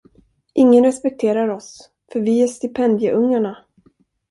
Ingen respekterar oss, för vi är stipendieungarna.